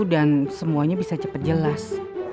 dan semuanya bisa cepet jelas